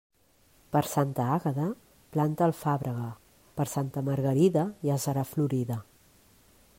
Per Santa Àgueda, planta l'alfàbrega; per Santa Margarida, ja serà florida.